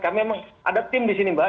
karena memang ada tim di sini mbak